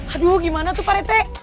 aduh gimana tuh pak rete